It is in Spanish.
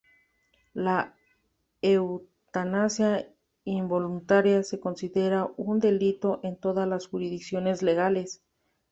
La eutanasia involuntaria se considera un delito en todas las jurisdicciones legales.